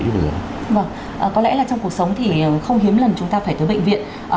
vâng có lẽ là trong cuộc sống thì không hiếm lần chúng ta phải tới bệnh viện